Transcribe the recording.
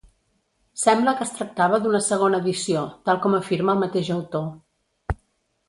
Sembla que es tractava d'una segona edició, tal com afirma el mateix autor.